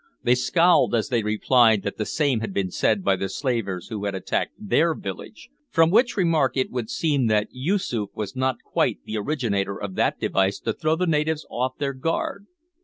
They scowled as they replied that the same had been said by the slavers who had attacked their village; from which remark it would seem that Yoosoof was not quite the originator of that device to throw the natives off their guard.